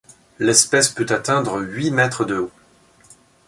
L'espèce peut atteindre huit mètres de haut.